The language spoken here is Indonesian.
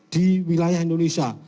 di wilayah indonesia